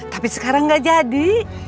tapi sekarang gak jadi